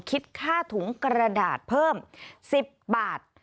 คิดค่าถุงกระดาษเพิ่ม๑๐บาท